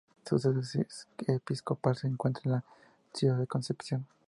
Su sede episcopal se encuentra en la ciudad de Concepción.